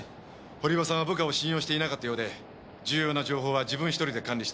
堀場さんは部下を信用していなかったようで重要な情報は自分一人で管理していました。